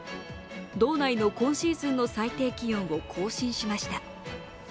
道内の今シーズンの最低気温を更新しました。